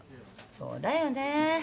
そうだよね。